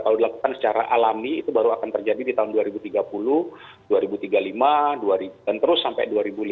kalau dilakukan secara alami itu baru akan terjadi di tahun dua ribu tiga puluh dua ribu tiga puluh lima dan terus sampai dua ribu lima belas